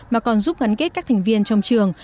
mà còn giúp gắn kết các thành viên trong trường